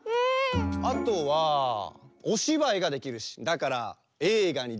あとはおしばいができるしだからえいがにでてるし。